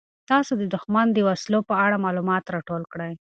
تاسو د دښمن د وسلو په اړه معلومات راټول کړئ.